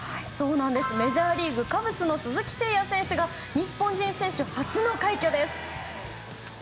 メジャーリーグ、カブスの鈴木誠也選手が日本人選手初の快挙です。